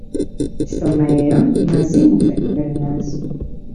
Στο μέλλον, μαζί μου θα κυβερνάς.